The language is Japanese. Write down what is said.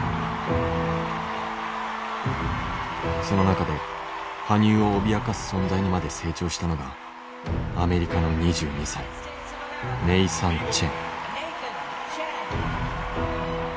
その中で羽生を脅かす存在にまで成長したのがアメリカの２２歳ネイサン・チェン。